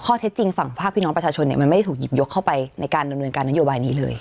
เท็จฝั่งภาคพี่น้องประชาชนมันไม่ได้ถูกหยิบยกเข้าไปในการดำเนินการนโยบายนี้เลย